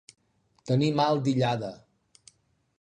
Tenir mal d'illada.